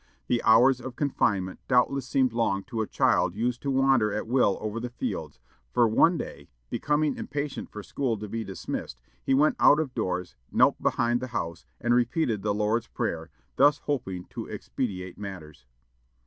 The hours of confinement doubtless seemed long to a child used to wander at will over the fields, for one day, becoming impatient for school to be dismissed, he went out of doors, knelt behind the house, and repeated the Lord's Prayer, thus hoping to expedite matters!